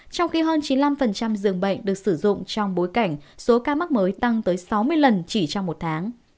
trong khi hơn chín mươi năm dường bệnh được sử dụng trong bối cảnh số ca mắc mới tăng tới sáu mươi lần chỉ trong một tháng